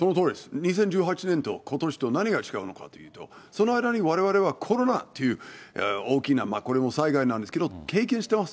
２０１８年とことしと、何が違うのかといえばその間にわれわれはコロナという大きな、これも災害なんですけれども、経験してます。